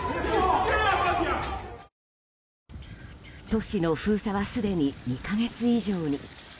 都市の封鎖はすでに２か月以上に。